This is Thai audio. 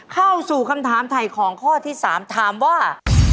เข้าสู่คำถามถ่ายของข้อที่๓ถามว่า